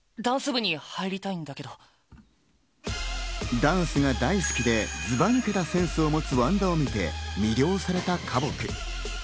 ダンスが大好きで、ズバ抜けたセンスを持つ湾田を見て、魅了された花木。